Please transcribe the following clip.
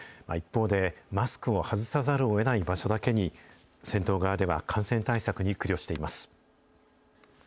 一方で、マスクを外さざるをえない場所なだけに、銭湯側では感染対策に苦慮しています。